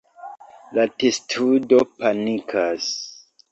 La testudo panikas.